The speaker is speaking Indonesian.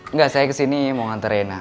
enggak saya kesini mau ngantar reina